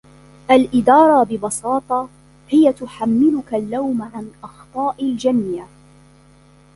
الإدارة' ببساطة هي تحملك اللوم عن أخطاء الجميع.